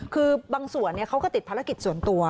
คือบางส่วนเขาก็ติดภารกิจส่วนตัว